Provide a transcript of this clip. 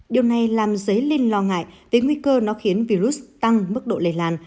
điều này làm giấy linh lo ngại về nguy cơ nó khiến virus tăng mức độ lây lan